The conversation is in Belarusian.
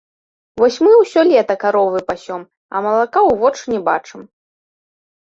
Вось мы ўсё лета каровы пасём, а малака ў вочы не бачым.